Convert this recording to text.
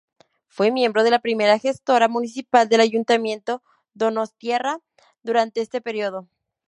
Fue miembro de la primera gestora municipal del ayuntamiento donostiarra durante este periodo.